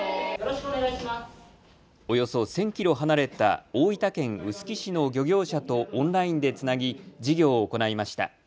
およそ１０００キロ離れた大分県臼杵市の漁業者とオンラインでつなぎ授業を行いました。